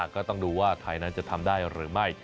ก็ต้องดูว่าไทยนั้นจะทำได้หรือไม่